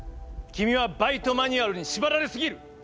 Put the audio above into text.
君はバイトマニュアルに縛られ過ぎる。